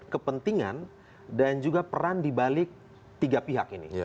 kepentingan dan juga peran di balik tiga pihak ini